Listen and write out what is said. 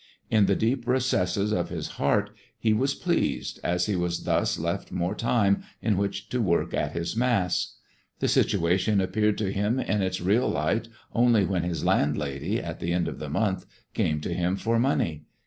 In the deep recesses of his heart he was pleased, as he was thus left more time in which to work at his Mass. The situation appeared to him in its real light only when his landlady, at the end of the month, came to him for money.